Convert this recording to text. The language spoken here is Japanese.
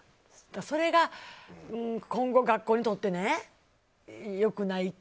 それが今後、学校にとってね良くない気。